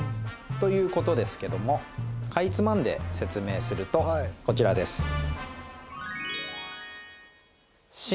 ということですけどもかいつまんで説明するとこちらです